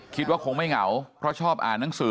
คิดว่าคงไม่เหงาเพราะชอบอ่านหนังสือ